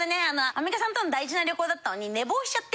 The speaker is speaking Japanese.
アンミカさんとの大事な旅行だったのに。